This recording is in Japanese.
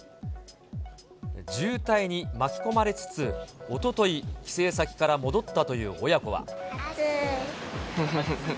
渋滞に巻き込まれつつ、おととい、帰省先から戻ったという親子は。